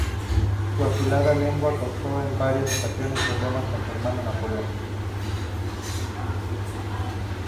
Su afilada lengua causó en varias ocasiones problemas con su hermano Napoleón.